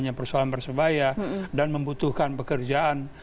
hanya persoalan persebaya dan membutuhkan pekerjaan